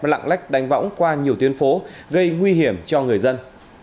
lặng lách đánh võng qua nhiều tuyến phố gây nguy hiểm cho người dân